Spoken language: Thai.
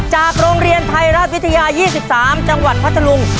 จากโรงเรียนไทยรัฐวิทยา๒๓จังหวัดพัทธลุง